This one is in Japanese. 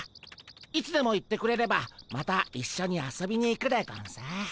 いつでも言ってくれればまたいっしょに遊びに行くでゴンス。